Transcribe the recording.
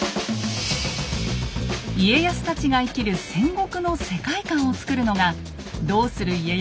家康たちが生きる戦国の世界観を作るのが「どうする家康」